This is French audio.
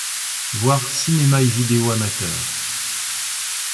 Voir Cinéma et vidéo amateurs.